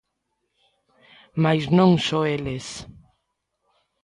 Mais non só eles.